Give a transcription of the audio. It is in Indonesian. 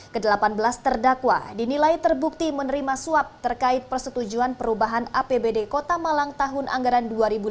ke delapan belas terdakwa dinilai terbukti menerima suap terkait persetujuan perubahan apbd kota malang tahun anggaran dua ribu delapan belas